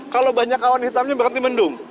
kalau banyak awan hitamnya berarti mendung